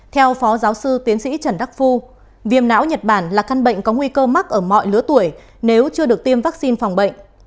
theo phó giáo sư tiến sĩ trần đắc phu viêm não nhật bản là căn bệnh có nguy cơ mắc ở mọi lứa tuổi nếu chưa được tiêm vaccine phòng bệnh